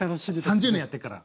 ３０年やってっから。